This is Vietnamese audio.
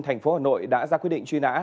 thành phố hà nội đã ra quyết định truy nã